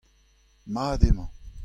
mat emañ.